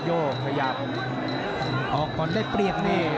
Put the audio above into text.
ออกก่อนได้เปรียบนี่